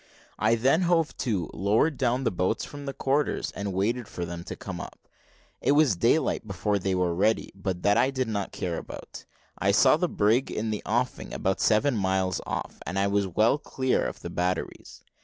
I then hove to, lowered down the boats from the quarters, and waited for them to come up. It was daylight before they were ready, but that I did not care about; I saw the brig in the offing about seven miles off, and I was well clear of the batteries.